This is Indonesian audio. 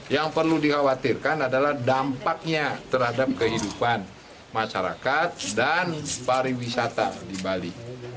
yang perlu dikhawatirkan adalah dampaknya terhadap kehidupan masyarakat dan pariwisata di bali